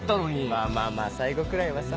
まぁまぁまぁ最後くらいはさ。